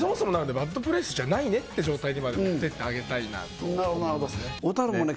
バッドプレイスじゃないねって状態にまで持ってってあげたいなと思いますね